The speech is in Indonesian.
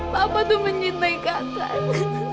papa tuh menyintai kakak